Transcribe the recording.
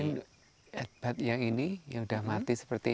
ya mungkin yang ini yang sudah mati seperti ini